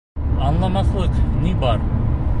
— Аңламаҫлыҡ ни бар?